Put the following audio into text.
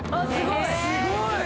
すごい。